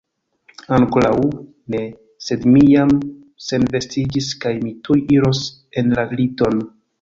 Ankoraŭ ne, sed mi jam senvestiĝis kaj mi tuj iros en la liton.